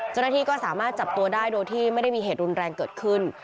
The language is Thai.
เจ้าหน้าที่ก็สามารถจับตัวได้โดยที่ไม่ได้มีเหตุรุนแรงเกิดขึ้น